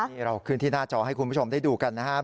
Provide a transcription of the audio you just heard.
นี่เราขึ้นที่หน้าจอให้คุณผู้ชมได้ดูกันนะครับ